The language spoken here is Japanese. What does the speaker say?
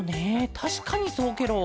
たしかにそうケロ。